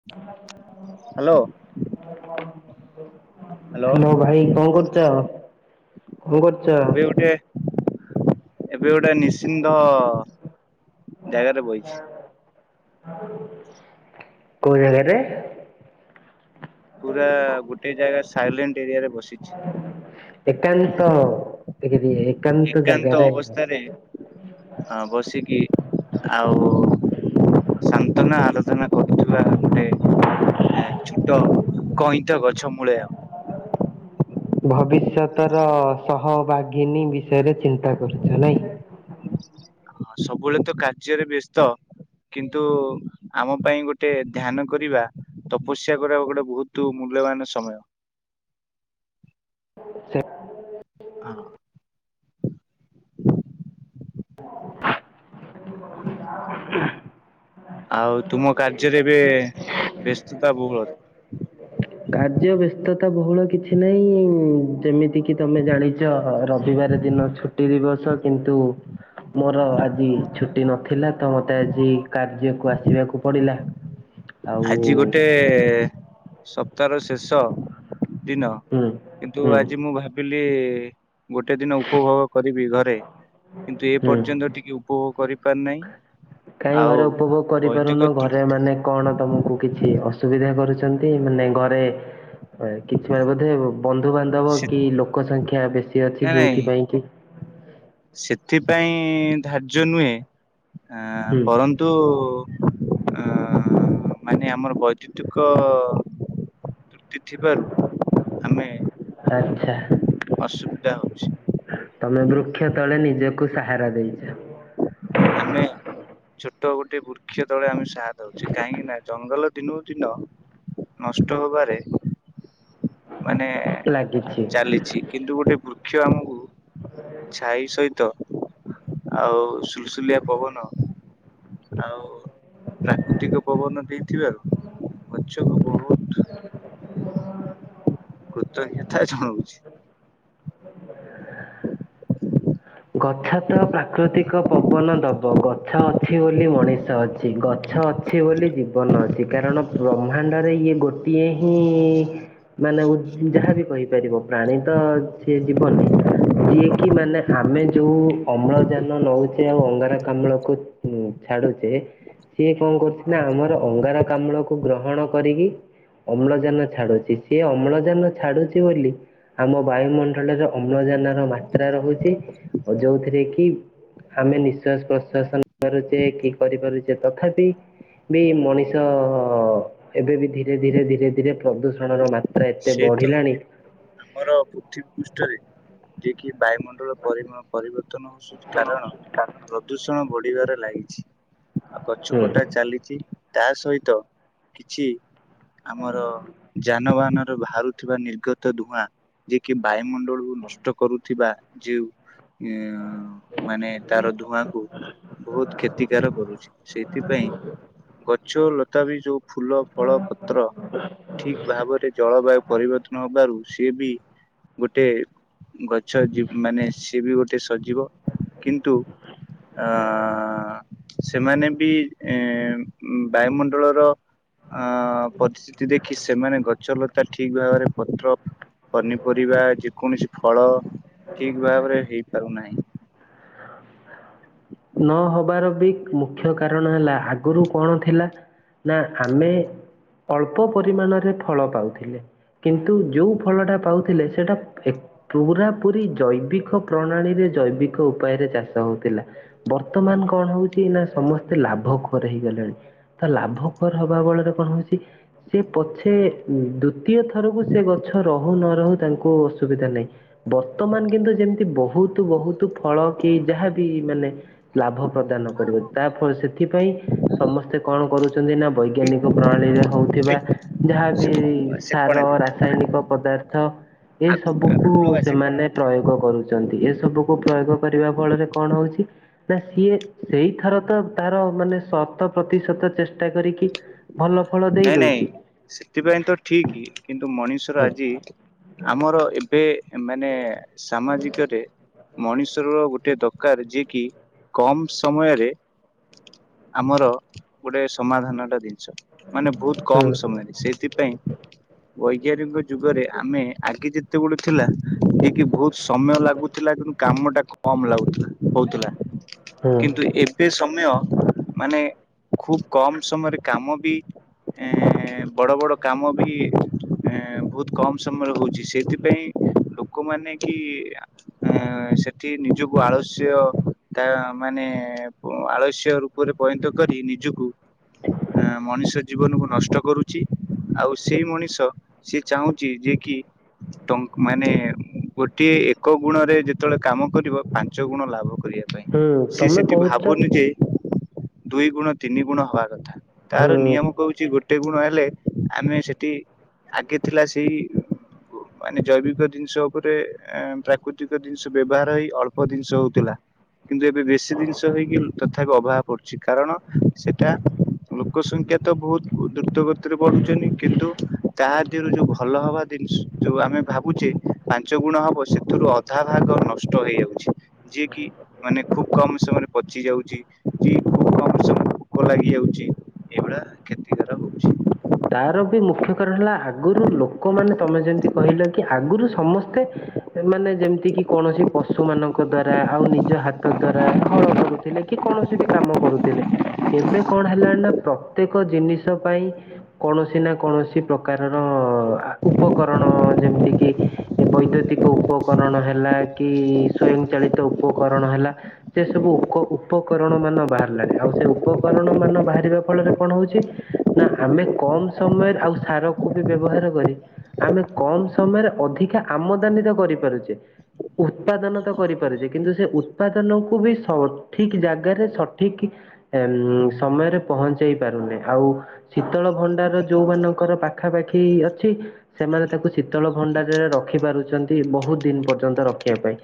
[unintelligible] Hello. Hello hello ଭାଇ କଁ କରୁଚ। ଏବେ ଗୁଟିଏ ଏବେ ଗୋଟେ ନି ସିନ୍ଦ ଗାଇବାରେ ବଇଚି। [unintelligible] କୋଉ ଜାଗାରେ? ପୁରା ଗୋଟେ ଜାଗା ସାଇଲେଣ୍ଟ ଏରିଆରେ ବସିଛି। ଏକାନ୍ତ [unintelligible] ଏକାନ୍ତ ଜାଗାରେ ବସି ହଁ ବସିକି ଆଉ ସାନ୍ତନା ଆରୋଧନା କରୁଥିବା ଗୋଟେ ଏ ଛୁଟ କଇଁଟ ଗଛ ମୂଳେ ଆଉ। [unintelligible] ଭବିଷ୍ୟତର ସହଭାଗିନୀ ବିଷୟରେ ଚିନ୍ତା କରୁଛ ନାଇଁ। ହଁ ସବୁବେଳେ ତ କାର୍ଯ୍ୟରେ ବ୍ୟସ୍ତ। କିନ୍ତୁ ଆମ ପାଇଁ ଗୋଟେ ଧ୍ୟାନ କରିବା ତପସ୍ୟା କରିବା ଗୋଟେ ବହୁତ ମୂଲ୍ୟବାନ ସମୟ। ସେ ହଁ [unintelligible] ଆଉ ତୁମ କାର୍ଯ୍ୟରେ ଏବେ ବ୍ୟସ୍ତତା ବହୁଳ। କାର୍ଯ୍ୟ ବ୍ୟସ୍ତତା ବହୁଳ କିଛି ନାହିଁ ଯେମିତି କିି ତମେ ଜାଣିଛ ରବିବାର ଦିନ ଛୁଟି ଦିବସ କିନ୍ତୁ ମୋର ଆଜି ଛୁଟି ନଥିଲା ତ ମତେ ଆଜି କାର୍ଯ୍ୟକୁ ଆସିବାକୁ ପଡିଲା। [inaudible] ଆଜି ଗୋଟେ ସପ୍ତାହର ଶେଷ ଦିନ ହୁଁ କିନ୍ତୁ ହୁଁ ଆଜି ମୁଁ ଭାବିଲି ଗୋଟେ ଦିନ ଉପଭୋଗ କରିବି ଘରେ କିନ୍ତୁ ଏ ହୁଁ। ପର୍ଯ୍ୟନ୍ତ ଟିକେ ଉପଭୋଗ କରିପାରି ନାହିଁ। କାହିଁ ଆଉ ଘରେ ଉପଭୋଗ କରିପାରୁନ ବୈଦିକ ତୃ ଘରେ ମାନେ କଣ ତମକୁ କିଛି ଅସୁବିଧା କରୁଛନ୍ତି ମାନେ ଘରେ କିଛି ପାଇଁ ବୋଧେ ବନ୍ଧୁ ବାନ୍ଧବ ସେ କି ଲୋକ ସଂଖ୍ୟା ବେଶୀ ଅଛି ନାଇଁ ନାଇଁ ଯୋଉଥିପାଇଁ କି ସେଥିପାଇଁ ଧାର୍ଯ୍ୟ ନୁହେଁ ଆ ହୁଁ ବରଂ ତୁ ଅ ମାନେ ଆମର ବୈଦ୍ୟୁତିକ ତ୍ରୁଟି ଥିବାରୁ ଆମେ ଆଚ୍ଛା ଅସୁବିଧା ହେଉଛି। ତମେ ବୃକ୍ଷ ତଳେ ନିଜକୁ ସାହାରା ଦେଇଛ। ଆମେ। ଛୋଟ ଗୋଟେ ବୃକ୍ଷ ତଳେ ଆମେ ସାହା ଦଉଛେ କାହିଁକି ନା ଜଙ୍ଗଲ ଦିନୁ ଦିନ ନଷ୍ଟ ହବାରେ ମାନେ ଲାଗିଛି ଚାଲିଛି କିନ୍ତୁ ଗୋଟେ ବୃକ୍ଷ ଆମକୁ ଛାଇ ସହିତ ଆଉ ସୁଲସୁଲିଆ ପବନ ଆଉ ପ୍ରାକୃତିକ ପବନ ଦେଇଥିବାରୁ ଆଉ ଗଛକୁ ବ [inaudible] କୃତଜଞତା ଜଣାଉଛି। ଗଛ ତ ପ୍ରାକୃତିକ ପବନ ଦବ ଗଛ ଅଛି ବୋଲି ମଣିଷ ଅଛି। ଅଛି ଗଛ ଅଛି ବୋଲି ଜୀବନ ଅଛି। କାରଣ ବ୍ରହ୍ମାଣ୍ଡରେ ଇଏ ଗୋଟିଏ ହିଁ ମାନେ ଯାହାବି କହିପାରିବ ପ୍ରାଣୀ ତ ସିଏ ଯିବନି ଯିଏକି ମାନେ ଆମେ ଯୋଉ ଅମ୍ଳଜାନ ନଉଛେ ଆଉ ଅଙ୍ଗାରକାମ୍ଳକୁ ଛାଡୁଛେ ସିଏ କଣ କରୁଛି ନା ଆମର ଅଙ୍ଗାର କାମ୍ଳକୁ ଗ୍ରହଣ କରିକି ଅମ୍ଳଜାନ ଛାଡୁଛି ସିଏ ଅମ୍ଳଜାନ ଛାଡୁଛି ବୋଲି ଆମ ବାୟୁମଣ୍ଡଳରେ ଅମ୍ଳଜାନ ର ମାତ୍ରା ରହୁଛି ଯୋଉଥିରେ କି ଆମେ ନିଶ୍ଵାସ ପ୍ରଶ୍ୱାସ ପାରୁଛେ କି କରିପାରୁଛେ ତଥାପି ବି ମଣିଷ ଏବେ ବି ଧୀରେ ଧୀରେ ଧୀରେ ଧୀରେ ପ୍ରଦୂଷଣର ମା ସେ ତ ଆମର ପୃଥିବୀ ପୃଷ୍ଠରେ ଯିଏ କିି ବାୟୁମଣ୍ଡଳ ପରି ପରିବର୍ତ୍ତନ ହସଛି କାରଣ ପ୍ରଦୂଷଣ ବଢିବାରେ ଲାଗିଛି। ଉ ଗଛ ହୁଁ କଟା ଚାଲିଛି ତା ସହିତ କିଛି ଆମର ଯାନବାହାନ ର ବାହାରୁଥିବା ନିର୍ଗତ ଧୂଆଁ ଯିଏ କି ବାୟୁମଣ୍ଡଳକୁ ନଷ୍ଟ କରୁଥିବା ଯଉ ଅ ମାନେ ତାର ଧୂଆଁ କୁ ବହୁତ କ୍ଷତିକାର କରୁଛି ସେଇଥିପାଇଁ ଗ ଚୋ ଲତା ବି ଯୋଉ ଫୁଲ, ଫଳ, ପତ୍ର ଠିକ ଭାବରେ ଜଳବାୟୁ ପରିବର୍ତ୍ତନ ହବାରୁ ସିଏ ବି ଗୋଟେ ଗଛ ଜୀବ ମାନେ ସିଏ ବି ଗୋଟେ ସଜିବ। କିନ୍ତୁ ଆ ସେମାନେ ବି ଏ ବାୟୁମଣ୍ଡଳର ଆ ପଦିସ୍ଥିତି ଦେଖି ସେମାନେ ଗଛ ଲ ତା ଠିକ ଭାବରେ ପତ୍ର ପନିପରିବା ଯେକୌଣସି ଫଳ ଠିକ ଭାବରେ ହେଇପାରୁନାହିଁ। ହ [inaudible] ନହବାର ବିକ୍ ମୁଖ୍ୟ କାରଣ ହେଲା ଆଗରୁ କଣ ଥିଲା ନା ଆମେ ଅଳ୍ପ ପରିମାଣରେ ଫଳ ପାଉଥିଲେ। କିନ୍ତୁ ଯେଉଁ ଫଳଟା ପାଉଥିଲେ ସେଟା ଫେକ୍ ପୁରା ପୁରୀ ଜୈବିକ ପ୍ରଣାଳୀରେ ଜୈବିକ ଉପାୟରେ ଚାଷ ହଉଥିଲା। ବର୍ତ୍ତମାନ କଣ ହଉଛି ନା ସମସ୍ତେ ଲାଭ ଖୋର ହେଇଗଲେଣି ତ ଲାଭଖୋର ହବାବଳରେ କଣ ହଉଚି ସେ ପଛେ ଦୁତ୍ ତୀୟ ଥରକୁ ସେ ଗଛ ରହୁ ନ ରହୁ ତାଙ୍କୁ ଅସୁବିଧା ନାହିଁ। ବର୍ତ୍ତମାନ କିନ୍ତୁ ଯେମିତି ବହୁତ ବହୁତ ଫଳ କି ଯାହାବି ମାନେ ଲାଭ ପ୍ରଦାନ କରିବ ତା ଫ ସେଥିପାଇଁ ସମସ୍ତେ କଣ କରୁଛନ୍ତି ନା ବୈଜ୍ଞାନିକ ପ୍ରଣାଳୀରେ ଏ ହଉଥିବା ଯାହାବି ସେ କଣ ସେ ସାର କଣରେ ରାସାୟନିକ ପଦାର୍ଥ ଏ ଆଗକୁ ସବୁକୁୁ ଆଗକୁ ଲଗା ସେ ସେମାନେ କଣରେ ଟ୍ରୟୋ ଗ କରୁଚନ୍ତି। ଏ ସବୁକୁ ପ୍ରୟୋଗ କରିବା ଫଳରେ କଣ ହଉଚି ନା ସିଏ ସେଇଥର ତ ତାର ମାନେ ଶତ ପ୍ରତିଶତ ଚେଷ୍ଟା କରିକି ଭଲ ଫଳ ନାଇଁ ଦେଇ ନାଇଁ ଦଉଚି। ସେଥିପାଇଁ ତ ଠିକ କିନ୍ତୁ ମଣିଷର ହୁଁ ଆଜି ଆମର ଏବେ ଏମାନେ ସାମାଜିକରେ ମଣିଷ ର ଗୋଟେ ଦକାର ଯିଏ କି କମ ସମୟରେ ଆମର ଗୋଟେ ସମାଧାନ ଟା ଜିନିଷ। ମାନେ ବହୁତ ହୁଁ କମ ସମୟରେ ସେଇଥିପାଇଁ ବୈଜ୍ଞାନିକ ଯୁଗରେ ଆମେ ଆଗେ ଯେ ତେଗୁଡେ ଗୋଟେ ଥିଲା ଏକି ବହୁତ ସମୟ ଲାଗୁଥିଲା କିନ୍ତୁ କାମ ଟା କମ୍ ଲାଗୁଥିଲା ହଉଥିଲା ହୁଁ କିନ୍ତୁ ଏବ୍ ତେ ସମୟ ମାନେ ଖୁବ କମ ସମୟରେ କାମ ବି [inaudible] ବଡ଼ ବଡ଼ କାମ ବି ଏ ବହୁତ କମ ସମୟରେ ହୋଉଛି ସେଥିପାଇଁ ଲୋକମାନେ କି ଏ ଅ ସେଠି ନିଜକୁ ଆଳସ୍ୟ ତା ମାନେ ଆଳସ୍ୟ ରୂପରେ ପଇତ କରି ନିଜକୁ ଆ ମଣିଷ ଜୀବନକୁ ନଷ୍ଟ କରୁଚି ଆଉ ସେଇ ମଣିଷ ସିଏ ଚାହୁଁଚି ଯେ କି ଟଙ୍କ ମାନେ ଗୋଟିଏ ଏକ ଗୁଣରେ ଯେତେବେଳେ କାମ କରିବ ପାଞ୍ଚ ଗୁଣ ଲାଭ କରିବା ପାଇଁ ହୁଁ ସିଏ ତମେ ସେଠି କହୁଛ ଭାବୁନି ଯେ ଦୁଇ ଗୁଣ ତିନି ଗୁଣ ହବା କଥା ତାର ହୁଁ ନିୟମ କହୁଚି ଗୋଟେ ଗୁଣ ହେଲେ ଆମେ ସେଠି ଆଗେ ଥିଲା ସେଇ ମାନେ ଜୈବିକ ଜିନିଷ ଉପରେ ଏମ୍ ପ୍ରାକୃତିକ ଜିନିଷ ବ୍ୟବହାର ହେଇ ଅଳ୍ପ ଜିନିଷ ହଉଥିଲା କିନ୍ତୁ ଏବେ ବେଶୀ ଜିନିଷ ହେଇକି ତଥାପି ଅଭାଅ ପଡୁଚି କାରଣ ସେଟା ଲୋକ ସଂଖ୍ୟା ତ ବହୁତ ଦ୍ରୁତ ଗତିରେ ବଢୁଚନି କିନ୍ତୁ ତାହା ଦିହରୁ ଯୋଉ ଭଲ ହବା ଦିନସ ଯୋଉ ଆମେ ଭାବୁଚେ ପାଞ୍ଚ ଗୁଣ ହବ ସେଥିରୁ ଅଧା ଭାଗ ନଷ୍ଟ ହେଇଆଉଚି। ଯେ କିି ମାନେ ଖୁବ କମ ସମୟରେ ପଚି ଯାଉଚି କି ଖୁବ କମ ସମୟରେ ପୋକ ଲାଗି ଯାଉଚି ଏଭଳିଆ କ୍ଷେତି ରହୁଛି। ତାର ବି ମୁଖ୍ୟ କାରଣ ହେଲା ଆଗରୁ ଲୋକମାନେ ତମେ ଯେମିତି କହିଲ କି ଆଗରୁ ସମସ୍ତେ ମାନେ ଯେମିତି କି କୌଣସି ପଶୁ ମାନଙ୍କ ଦ୍ଵାରା ଆଉ ନିଜ ହାତ ଦ୍ଵାରା ହଳ କରୁଥିଲେ କି କୌଣସି ବି କାମ କରୁଥିଲେ ଏବେ କଣ ହେଲାଣି ନା ପ୍ରତ୍ୟକ ଜିନିଷ ପାଇଁ କୌଣସି ନା କୌଣସି ପ୍ରକାରର ଆ ଉପକରଣ ଯେମିତି କିି ଏ ବୈଦ୍ୟୁତିକ ଉପକରଣ ହେଲା କି ସ୍ଵୟଂ ଚାଳିତ ଉପକରଣ ହେଲା ସେ ସବୁ ଉକ ଉପକରଣ ମାନ ବାହାରିଲାଣି ଆଉ ସେ ଉପକରଣ ମାନ ବାହାରିବା ଫଳରେ କଣ ହୋଉଛି ନା ଆମେ କମ ସମୟରେ ଆଉ ସାରକୁ ବି ବ୍ୟବହାର କରି ଆମେ କମ ସମୟରେ ଅଧିକା ଆମଦାନି ତ କରିପାରୁଛେ। ଉତ୍ପାଦନ ତ କରିପାରୁଛେ କିନ୍ତୁ ସେ ଉତ୍ପାଦନକୁ ବି ସଠିକ ଜାଗାରେ ସଠିକ ଉ ସମୟରେ ପହଞ୍ଚେଇ ପାରୁନେ ଆଉ ସି ଶୀତଳ ଭଣ୍ଡାର ଯୋଉମାନଙ୍କର ପାଖାପାଖି ଅଛି। ସେମାନେ ତାକୁ ଶୀତଳ ଭଣ୍ଡାରରେ ରଖି ପାରୁଛନ୍ତି ବହୁତ ଦିନ ପର୍ଯ୍ୟନ୍ତ ରଖିବା ପାଇଁ।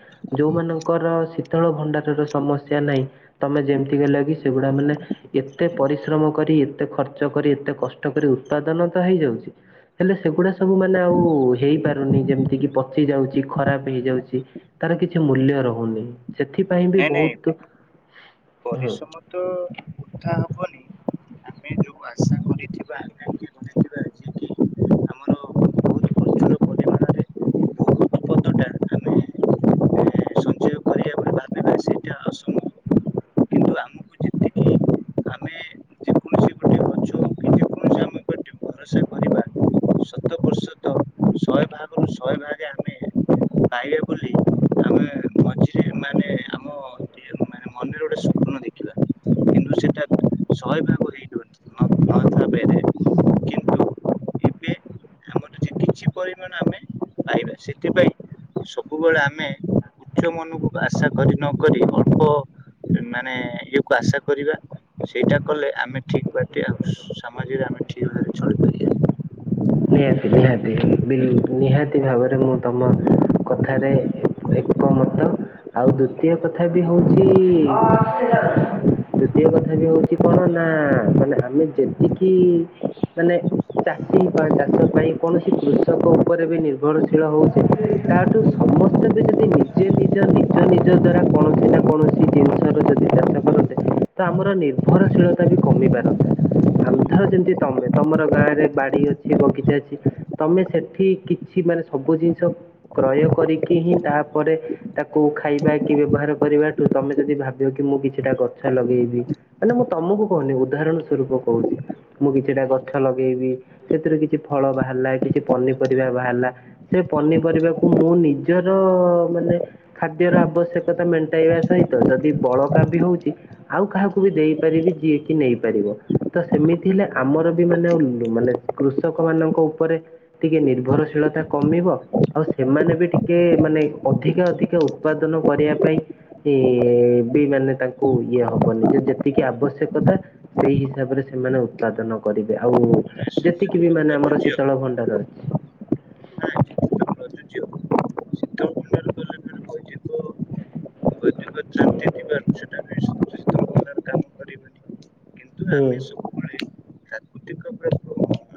ଯୋଉମାନଙ୍କର ଶୀତଳ ଭଣ୍ଡାରର ସମସ୍ୟା ନାହିଁ ତମେ ଯେମିତି କହିଲ କି ସେଗୁଡା ମାନେ ଏତେ ପରିଶ୍ରମ କରି ଏତେ ଖର୍ଚ୍ଚ କରି ଏତେ କଷ୍ଟ କରି ଉତ୍ପାଦନ ତ ହେଇଯାଉଛି ହେଲେ ସେଗୁଡା ସବୁ ମାନେ ଆଉ ହେଇପାରୁନି ଯେମିତି କି ପଚି ଯାଉଛି ଖରାପ ହେଇଯାଉଛି। ତାର କିଛି ମୂଲ୍ୟ ରହୁନି ସେଥିପାଇଁ ବି ନାଇଁ ନାଇଁ ବହୁତ ହୁଁ ପରିଶ୍ରମ ତ ବୃଥା ହବନି ଆମେ ଯୋଉ ଆଶା କରିଥିବା ଆ ହେରା ଆଯିକି। ପରିମାଣରେ ବହୁତ ପଦଟା ଆମେ ଏ, ସଞ୍ଚୟ କରିବା ବୋଲି ଭାବିବା ସେଇଟା ଅସମ୍ଭବ କିନ୍ତୁ ଆମକୁ ଯେତିକି ଆମେ ଯେକୌଣସି ଗୋଟେ ଗଛ ହଉ କି ଯେକୌଣସି ଆମେ ଗୋଟେ ଭରସା କରିବା ଶତ ପ୍ରତିଶତ ଶହେ ଭାଗରୁ ଶହେ ଭାଗ ପାଇବା ବୋଲି ଆମେ ମଝି ମନରେ ଗୋଟେ ସ୍ୱପ୍ନ ଦେଖିବା କିନ୍ତୁ ସେଟା ଶହେ ବିର୍ କିନ୍ତୁ ଏବେ ଏରା ସେଥିପାଇଁ ସବୁବେଳେ ଆମେ ଉଚ୍ଚ ମନକୁ ଆଶା କରି ନ କରି ଅଳ୍ପ ମାନେ ଇଏକୁ ଆଶା କରିବା ସେଇଟା କଲେ ଆମେ ଠିକ ବାଟେ ଆଉ ସାମାଜିରେ ଆମେ ଠିକ ଭାବରେ ଚଳିପାରିବା। ନିହାତି ନିହାତି ବିଲ ନିହାତି ଭାବରେ ମୁଁ ତମ କଥାରେ ଏ ଏକମତ। ଆଉ ଦ୍ଵିତୀୟ କଥା ବି ହଉଛି ଦ୍ଵିତୀୟ କଥା ବି ହଉଛି କଣ ନା ମାନେ ଆମେ ଯେତିକି ମାନେ ଚାଷୀ ପା ଚାଷ ପାଇଁ କୌଣସି କୃଷକ ଉପରେ ବି ନିର୍ଭରଶୀଳ ହଉଛେ ତାଠୁ ସମସ୍ତ ତେବେ ଯଦି ନିଜେ ନିଜ ନିଜ ନିଜ ଦ୍ଵାରା କୌଣସି ନା କୌଣସି ଜିନିଷ ର ଯଦି ଚାଷ କରନ୍ତେ ତ ଆମର ନିର୍ଭରଶୀଳତା ବି କମି ପାରନ୍ତା। ଆମଧ ଯେମିତି ତମେ ତମର ଗାଁ ରେ ବାଡି ଅଛି। ଠି ବଗିଚା ଅଛି ତମେ ସେଠି କିଛି ମାନେ ସବୁ ଜିନିଷ କ୍ରୟ କରିକି ହିଁ ତାପରେ ତାକୁ ଖାଇବା କି ବ୍ୟବହାର କରିବାଠୁ ତମେ ଯଦି ଭାବିବ କି ମୁଁ କିଛିଟା ଗଛ ଲଗେଇବି। ମାନେ ମୁଁ ତମକୁ କହୁନି ଉଦାହରଣ ସ୍ୱରୂପ କହୁଛି। ମୁଁ କିଛିଟା ଗଛ ଲଗେଇବି। ସେଥିରୁ କିଛି ଫଳ ବାହାରିଲା କିଛି ପନିପରିବା ବାହାରିଲା। ସେ ପନିପରିବାକୁ ମୁଁ ନିଜର ମାନେ ଖାଦ୍ୟର ଆବଶ୍ୟକତା ମେଣ୍ଟାଇବା ସହିତ ଯଦି ବଳକା ବି ହଉଛି। ଆଉ କାହାକୁ ବି ଦେଇପାରିବି ଯିଏ କିି ନେଇପାରିବ। ତ ସେମିତି ହେଲେ ଆମର ବି ମାନେ ମାନେ କୃଷକ ମାନଙ୍କ ଉପରେ ଟିକେ ନିର୍ଭରଶୀଳତା କମିବ ଆଉ ସେମାନେ ବି ଟିକେ ମାନେ ଅଧିକା ଅଧିକା ଉତ୍ପାଦନ କରିବା ପାଇଁ ଏ ବି ମାନେ ତାଙ୍କୁ ଇଏ ହବନି। ଯେ ଯେତିକି ଆବଶ୍ୟକତା ସେଇ ହିସାବରେ ସେମାନେ ଉତ୍ପାଦନ କରିବେ। ଆଉ ଯେତିକି ବି ମାନେ ଆମର ଚଳିପାରିବା। ଶୀତଳ ଭଣ୍ଡାର ଅଛି। ଶୀତଳଭଣ୍ଡାର ଗଲେ ଫେରେ ବୈଦିକ ବୈଦିକ ତ୍ରାନ୍ତି [unintelligible] କରିବନି। କିନ୍ତୁ ହୁଁ। ଆମେ ସବୁବେଳେ ପ୍ରାକୃତିକ ଉପାୟରେ ହଉ-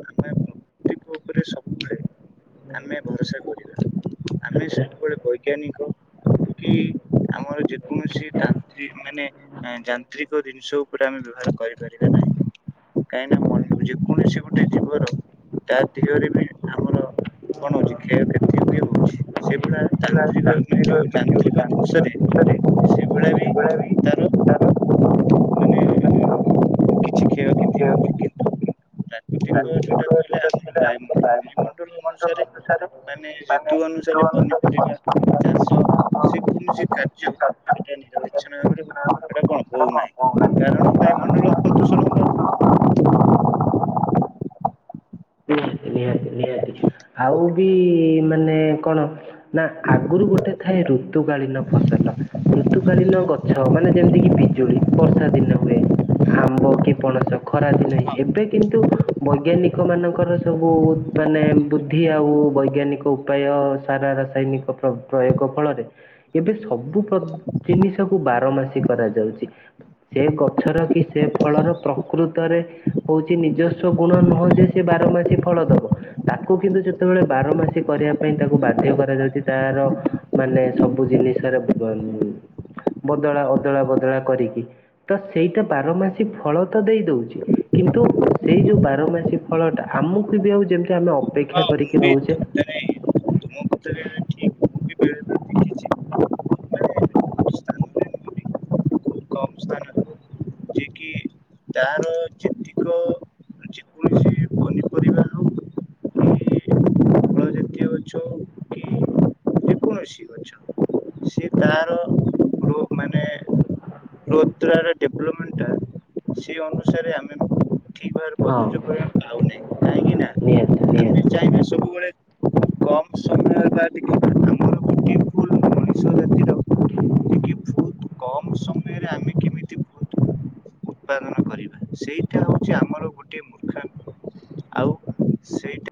ଉପରେ ସବୁବେଳେ ହୁଁ। ଆମେ ଭରସା କରିବା। ଆମେ ଆଚ୍ଛା। ସବୁବେଳେ ବୈଜ୍ଞାନିକ କି ଆମର ଯେକୌଣସି ତାନ୍ତ୍ରିକ ମାନେ ଯାନ୍ତ୍ରିକ ଜିନିଷ ଉପରେ ଆମେ ବ୍ୟବହାର କରିପାରିବା ନାହିଁ। କାହିଁକି ନା ମନ ଯେକୌଣସି ଗୋଟେ ଜୀବର ତା ଦେହରେ ବି ଆମର ହଁ। କଣ କ୍ଷୟକ୍ଷତି ବି ହଉଛି ସେଇଭଳିଆ ଯାନ୍ତ୍ରିକ ଯୋଉ ଯାନ୍ତ୍ରିକ ଜିନିଷରେ ସେଇଭଳିଆ ବି ତାର ତାର ମାନେ କିଛି କ୍ଷୟକ୍ଷତି ହଉଛି କିନ୍ତୁ ମାନେ ପ୍ରାକୃତିକ ଯୋଉଟା କହିଲେ ଆମର ବାୟୁମଣ୍ଡଳ ବାୟୁମଣ୍ଡଳ ଅନୁସାରେ ମାନେ ଋତୁ ଅନୁସାରେ ପନିପରିବା। ଚାଷ ଯେ କୌଣସି କାର୍ଯ୍ୟ ନିରବଚ୍ଛନ୍ନ ଭାବ ସେଟା କଣ ହଉ ହଉନାହିଁ କାରଣ ନାହିଁ ବାୟୁମଣ୍ଡଳ ପ୍ରଦୂଷଣ। ନିହାତି ନିହାତି ନିହାତି ଆଉ ବି ମାନେ କଣ? ନା ଆଗରୁ ଗୋଟେ ଥାଏ ଋତୁକାଳୀନ ଫସଲ ଋତୁକାଳୀନ ଗଛ ମାନେ ଯେମିତି କିି ପିଜୁଳି? ବର୍ଷା ଦିନେ ହୁଏ? ଆମ୍ବ କି ପଣସ ଖରାଦିନେ ଏବେ କିନ୍ତୁ ବୈଜ୍ଞାନିକ ମାନଙ୍କ ତାଙ୍କର ସବୁ ମାନେ ବୁଦ୍ଧି ଆଉ ବୈଜ୍ଞାନିକ ଉପାୟ ସାରା ରାସାୟନିକ ପ୍ରୟୋଗ ଫଳରେ ଏବେ ସବୁ ପ ଜିନିଷକୁ ବାର ମାସୀ କରାଯାଉଛି। ସେ ଗଛର କି ସେ ଫଳର ପ୍ରକୃତରେ ହଉଛି ନିଜସ୍ୱ ଗୁଣ ନୁହେଁ ଯେ, ସେ ବାର ମାସି ଫଳ ଦବ। ତାକୁ କିନ୍ତୁ ଯେତେବେଳେ ବାର ମାସି କରିବା ପାଇଁ ତାକୁ ବାଧ୍ୟ କରାଯାଉଛି ତାର ମାନେ ସବୁ ଜିନିଷରେ ଉ ବଦଳା ଅଦଳା ବଦଳା କରିକି ତ ସେଇତ ବାରମାସୀ ଫଳ ତ ଦେଇ ଦଉଛି। କିନ୍ତୁ ସେଇ ଯୋଉ ବାରମାସୀ ଫଳଟା ଆମକୁ ବି ଆଉ ଯେମିତି ଆମେ ହଁ ଅପେକ୍ଷା ମୁଁ କରିକି ବି ରହୁଛେ। ମାନେ ତୁମ କଥାରେ ଠିକ୍ ମୁଁ ବି ବେଳେବେଳେ ଦେଖିଛି ମାନେ ସ୍ଥାନରେ ନୁହଁନ୍ତି ଖୁବ୍ କମ୍ [unintelligible] ତ ଯେତିକ ଯେକୌଣସି ପନିପରିବା ହଉ କି ଫଳ ଜାତୀୟ ଗଛ ହଉ କି ସେ ତାର [unintelligible] ଡିପଲେମେଣ୍ଟଟା ସେଇ ଅନୁସାରେ ଆମେ କୁ ହଁ କାହିଁକି ନା ନିହାତି, ଆମେ ନିହାତି। ଚାହିଁବା ସବୁବେଳେ କମ ସମୟ ବା ଟିକେ ଆମର ବିୟୁଟିଫୁଲ ମଣିଷ ଜାତିର ଟିକେ ବହୁତ କମ ସମୟରେ ଆମେ କେମିତି ବହୁତ ଉତ୍ପାଦନ କରିବା ସେଇଟା ହଉଛି ଆମର ଗୋଟିଏ ମୂର୍ଖାମି ଆଉ ସେଇଟା